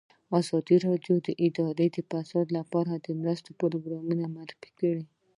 ازادي راډیو د اداري فساد لپاره د مرستو پروګرامونه معرفي کړي.